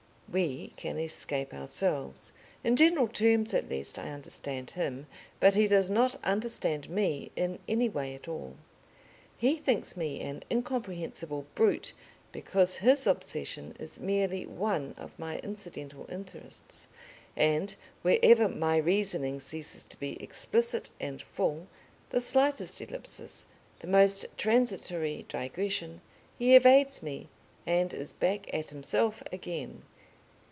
We can escape ourselves. In general terms, at least, I understand him, but he does not understand me in any way at all. He thinks me an incomprehensible brute because his obsession is merely one of my incidental interests, and wherever my reasoning ceases to be explicit and full, the slightest ellipsis, the most transitory digression, he evades me and is back at himself again.